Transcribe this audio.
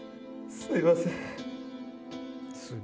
すいません！